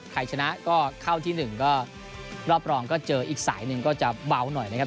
ใครชนะก็เข้าที่๑ก็รอบรองก็เจออีกสายหนึ่งก็จะเบาหน่อยนะครับ